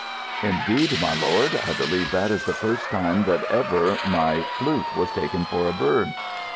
] "Indeed, my lord, I believe that is the first time that ever my flute was taken for a bird."